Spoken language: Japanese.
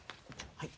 はい。